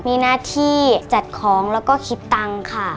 มีหน้าที่จัดของแล้วก็คิดตังค์ค่ะ